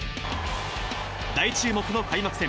大注目の開幕戦。